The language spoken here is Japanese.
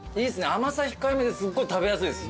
甘さ控えめですごい食べやすいです。